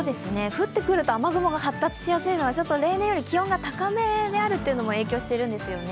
降ってくると雨雲が発達するのは例年より気温が高めなせいも影響してるんですよね。